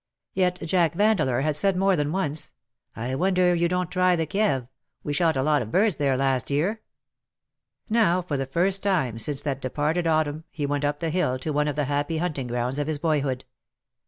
Yet Jack Vandeleur had said more than once^ '' I wonder you don't try the Kieve. We shot a lot of birds there last year/ * Now for the first time since that departed autumn he went up the hill to one of the happy hunting grounds of his boyhood.